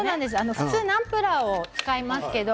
普通はナムプラーを使いますけれども。